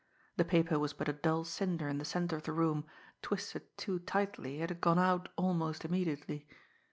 The paper was but a dull cinder in the centre of the room; twisted too tightly, it had gone out almost immediately.